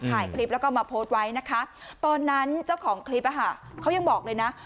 ถ่ายคลิปแล้วก็มาโพสต์ไว้นะคะตอนนั้นเจ้าของคลิปเขายังบอกเลยนะ